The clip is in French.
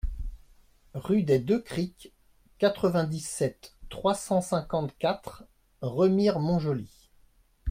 Rue des Deux Criques, quatre-vingt-dix-sept, trois cent cinquante-quatre Remire-Montjoly